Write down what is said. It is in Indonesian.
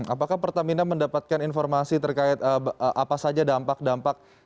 apakah pertamina mendapatkan informasi terkait apa saja dampak dampak